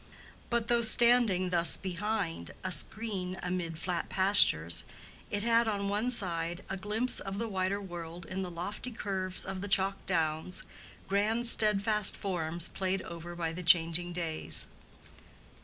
But though standing thus behind a screen amid flat pastures, it had on one side a glimpse of the wider world in the lofty curves of the chalk downs, grand steadfast forms played over by the changing days.